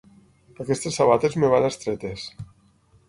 Aquestes sabates em van estretes.